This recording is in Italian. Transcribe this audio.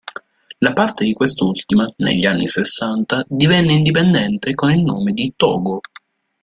La parte di quest'ultima, negli anni sessanta, divenne indipendente con il nome di Togo.